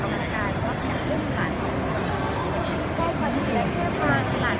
มีโครงการทุกทีใช่ไหม